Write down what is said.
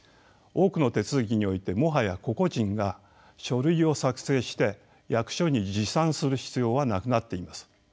多くの手続きにおいてもはや個々人が書類を作成して役所に持参する必要はなくなっています。